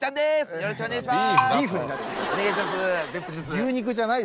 よろしくお願いします。